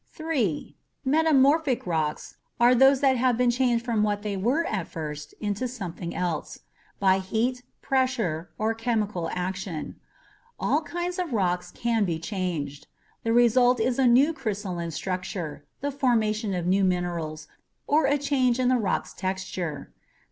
3. METAMORPHIC rocks are those that have been changed from what they were at first into something else by heat, pressure, or chemical action. All kinds of rocks can be changed. The result is a new crystalline structure, the formation of new minerals, or a change in the rock's texture.